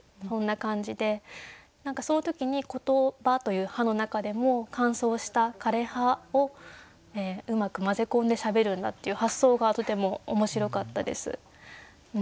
そんな感じでその時に言葉という葉の中でも乾燥した枯れ葉をうまく交ぜ込んでしゃべるんだっていう発想がとても面白かったです。